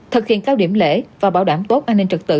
thực hiện cao điểm lễ và bảo đảm tốt an ninh trật tự